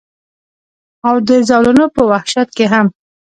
او د زولنو پۀ وحشت کښې هم